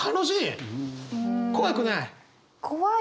怖くない？